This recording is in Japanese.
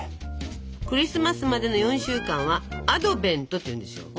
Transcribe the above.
クリスマスまでの４週間は「アドベント」っていうんですよ。